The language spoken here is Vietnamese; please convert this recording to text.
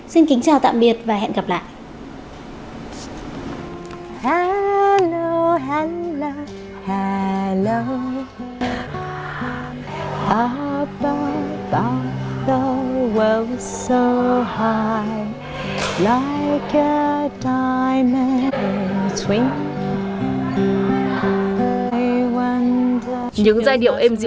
xin kính chào tạm biệt và hẹn gặp lại